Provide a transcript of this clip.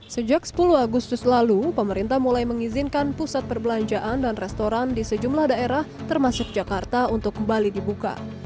sejak sepuluh agustus lalu pemerintah mulai mengizinkan pusat perbelanjaan dan restoran di sejumlah daerah termasuk jakarta untuk kembali dibuka